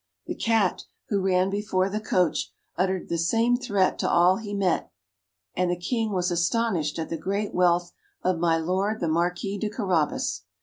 The Cat, who ran before the coach, uttered the same threat to all he met with, and the King was astonished at the great wealth of my Lord the Marquis de Carabas.